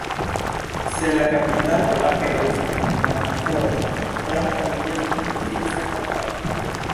Se la kapitalo aperas en mona formo, oni nomas ĝin fiksa kapitalo.